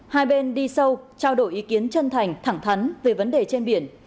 hai bên đi sâu trao đổi ý kiến chân thành thẳng thắn về vấn đề trên biển